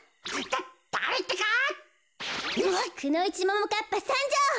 くのいちももかっぱさんじょう！